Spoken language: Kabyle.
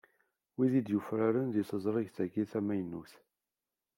Wid i d-yufraren deg teẓrigt-agi tamaynut.